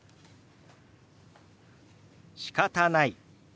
「しかたない」。